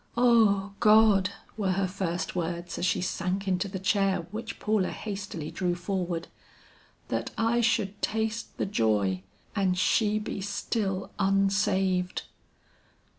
"O God!" were her first words as she sank into the chair which Paula hastily drew forward, "that I should taste the joy and she be still unsaved!"